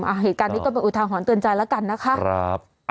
เหตุการณ์นี้ก็เป็นอุทาหรณ์เตือนใจแล้วกันนะคะครับ